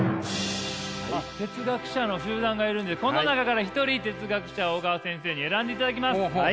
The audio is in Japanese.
哲学者の集団がいるんでこの中から一人哲学者を小川先生に選んでいただきます。